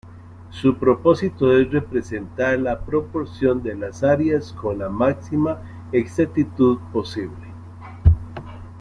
Su propósito es representar la proporción de las áreas con la máxima exactitud posible.